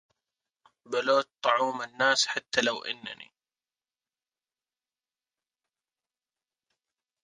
بلوت طعوم الناس حتى لو انني